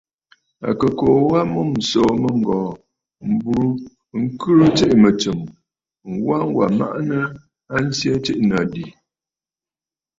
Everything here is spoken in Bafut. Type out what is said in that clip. À kɨ kuu wa a mûm ǹsòò mɨ̂ŋgɔ̀ɔ̀ m̀burə ŋkhɨrə tsiʼì mɨ̀tsɨm, ŋwa wà maʼanə a nsyɛ tiʼì nɨ àdì.